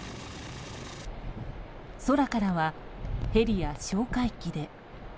空からは、ヘリや哨戒機で。